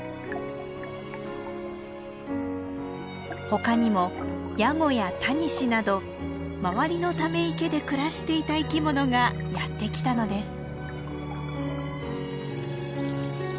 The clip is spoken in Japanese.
ほかにもヤゴやタニシなど周りのため池で暮らしていた生き物がやってきたのです。